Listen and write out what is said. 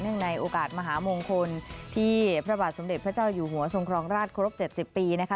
ในโอกาสมหามงคลที่พระบาทสมเด็จพระเจ้าอยู่หัวทรงครองราชครบ๗๐ปีนะคะ